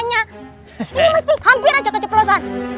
ini mesti hampir aja keceplosan